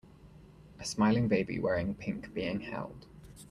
A smiling baby wearing pink being held.